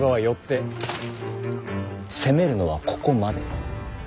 よって攻めるのはここまで。